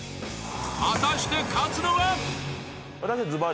［果たして勝つのは？］